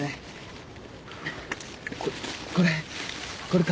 これ。